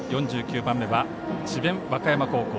番目は智弁和歌山高校。